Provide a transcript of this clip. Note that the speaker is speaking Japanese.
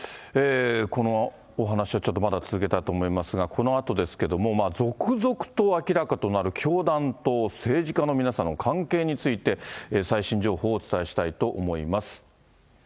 このお話をちょっとまだ続けたいと思いますが、このあとですけども、続々と明らかとなる教団と政治家の皆さんの関係について、最新情報をお伝えしたいと思います。